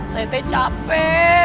saya teh capek